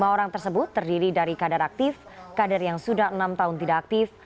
lima orang tersebut terdiri dari kader aktif kader yang sudah enam tahun tidak aktif